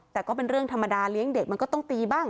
แต่ก็เป็นเรื่องธรรมดาเลี้ยงเด็กมันก็ต้องตีบ้าง